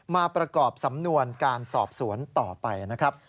มาประกอบสำนวนการสอบสวนต่อไปนะครับ